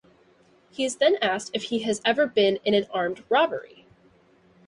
He is then asked if he has ever been in an armed robbery.